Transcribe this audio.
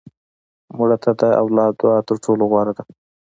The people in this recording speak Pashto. مړه ته د اولاد دعا تر ټولو غوره ده